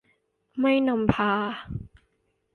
ไม่นำพา